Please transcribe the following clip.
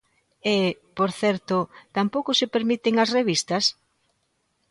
E, por certo, tampouco se permiten as revistas.